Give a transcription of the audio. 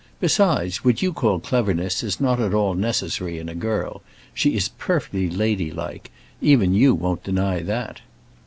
"Besides, what you call cleverness is not at all necessary in a girl; she is perfectly ladylike; even you won't deny that."